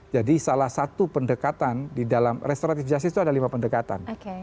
jadi salah satu pendekatan di dalam restoratif jahat itu ada lima pendekatan